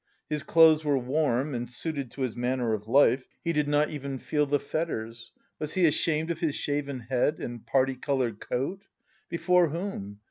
His clothes were warm and suited to his manner of life. He did not even feel the fetters. Was he ashamed of his shaven head and parti coloured coat? Before whom?